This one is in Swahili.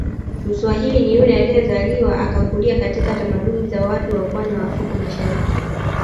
Mswahili ni yule aliyezaliwa akakulia katika tamaduni za watu wa upwa wa afrika mashariki